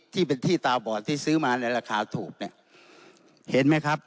ที่เป็นที่ตาบอดที่ซื้อมาในราคาถูกเนี่ยเห็นไหมครับ